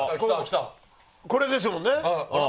これですもんね。